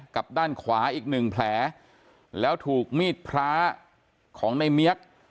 กับด้านขวาอีก๑แผลแล้วถูกมีดพระของนายเมี๊ยก